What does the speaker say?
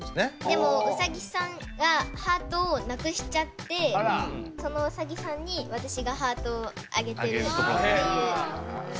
でもウサギさんがハートをなくしちゃってそのウサギさんに私がハートをあげてるっていう絵です。